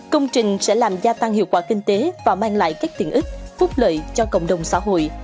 công trình sẽ làm gia tăng hiệu quả kinh tế và mang lại các tiện ích phúc lợi cho cộng đồng xã hội